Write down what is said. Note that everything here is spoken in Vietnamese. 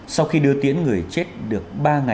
sau khi đưa tiễn người chết được